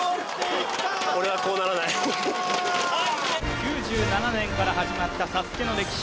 ９７年から始まったＳＡＳＵＫＥの歴史。